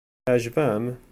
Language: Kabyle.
Yeɛjeb-am?